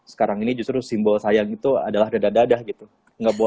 sekarang ini justru simbol sayang itu adalah keadilan keadilan keadilan keadilan keadilan keadilan